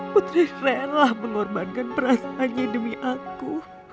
putri rela mengorbankan perasaannya demi aku